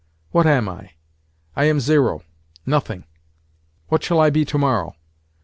What am I? I am zero—nothing. What shall I be tomorrow?